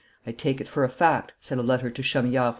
"I take it for a fact," said a letter to Chamillard from M.